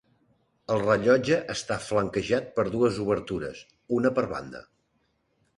El rellotge està flanquejat per dues obertures, una per banda.